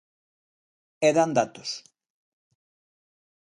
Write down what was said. E dan datos.